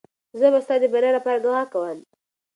زه به ستا د بریا لپاره دعا کوم.